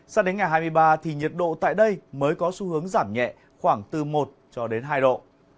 sao đến ngày hai mươi ba thì nhiệt độ tại đây mới có xu hướng giảm nhẹ khoảng từ một cho đến hai độ